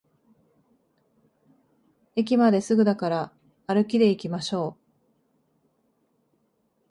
駅まですぐだから歩きでいきましょう